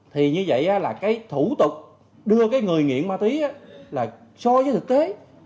thì như vậy là cái thủ tục đưa cái người nghiện ma túy là so với thực tế